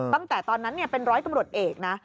ตั้งแต่ตอนนั้นเป็นร้อยตำรวจเอกนะ